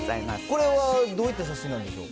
これはどういった写真なんでしょう？